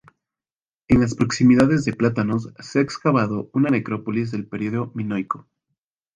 En las proximidades de Plátanos se ha excavado una necrópolis del periodo minoico.